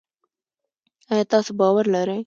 آیا تاسو باور لرئ؟